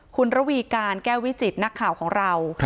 คุณระวีการแก้ววิจิตรนักข่าวของเรา